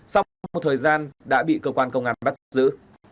sau một thời gian đã bị cơ quan công an bắt giữ